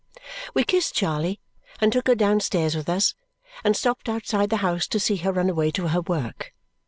We kissed Charley, and took her downstairs with us, and stopped outside the house to see her run away to her work.